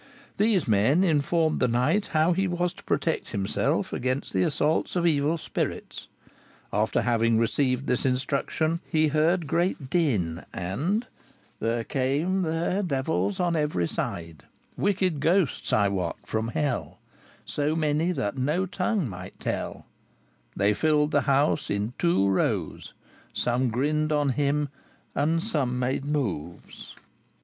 These men informed the knight how he was to protect himself against the assaults of evil spirits. After having received this instruction, he heard "grete dynn," and "Then come ther develes on every syde, Wykked gostes, I wote, fro Helle, So mony that no tonge mygte telle: They fylled the hows yn two rowes; Some grenned on hym and some mad mowes."